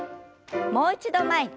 もう一度前に。